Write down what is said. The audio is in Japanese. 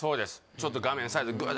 ちょっと画面サイズグー